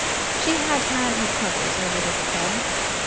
She had had her troubles over this affair.